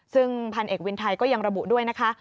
ซึ่งพันเอกวินไทยก็ยังระบุด้วยนะคะ